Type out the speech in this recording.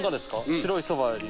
白いそばより。